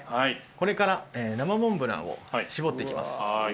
これから生モンブランを絞っていきます。